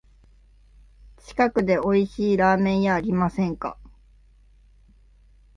近くでおいしいラーメン屋ありませんか？